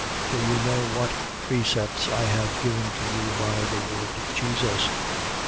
4:2. For you know what precepts I have given to you by the Lord Jesus. 4:3.